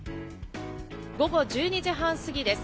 午後１２時半過ぎです。